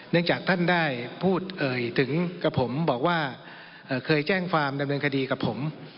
จากท่านได้พูดเอ่ยถึงกับผมบอกว่าเคยแจ้งความดำเนินคดีกับผม